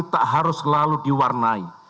tak harus selalu diwarnai